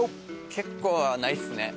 結構ないっすね。